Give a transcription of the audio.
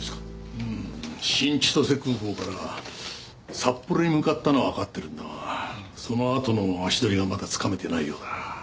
うん新千歳空港から札幌に向かったのはわかってるんだがそのあとの足取りがまだつかめてないようだ。